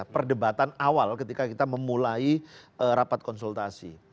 perdebatan awal ketika kita memulai rapat konsultasi